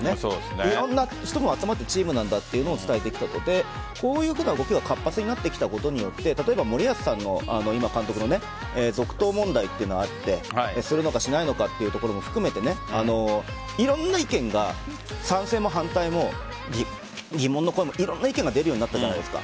いろんな人も集まったチームなんだというのを伝えてきたのでこういうこと、僕らが活発になってきたことによって森保さんの続投問題というのがありましてするのかしないのかというところも含めていろんな意見が賛成も反対も疑問の声も出るようになったじゃないですか。